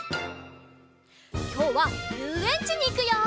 きょうはゆうえんちにいくよ！